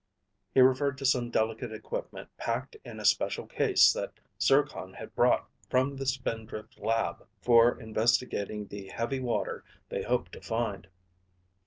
He referred to some delicate equipment packed in a special case that Zircon had brought from the Spindrift lab for investigating the heavy water they hoped to find.